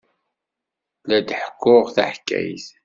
La d-ḥekkuɣ taḥkayt.